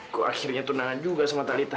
kok akhirnya tunangan juga sama talitha